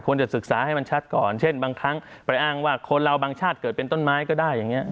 จะศึกษาให้มันชัดก่อนเช่นบางครั้งไปอ้างว่าคนเราบางชาติเกิดเป็นต้นไม้ก็ได้อย่างนี้